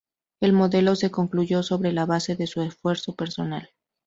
El modelo se concluyó sobre la base de su esfuerzo personal.